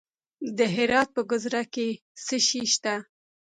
د هرات په ګذره کې څه شی شته؟